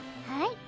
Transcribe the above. はい！